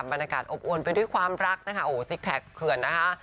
บรรยากาศอบอวนไปด้วยความรักนะคะโอ้โหซิกแพคเขื่อนนะคะ